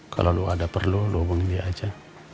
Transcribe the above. kalo lo ada perlu lo hubungin dia aja